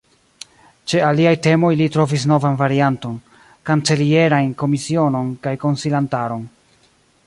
Ĉe aliaj temoj li trovis novan varianton: kancelierajn komisionon kaj konsilantaron.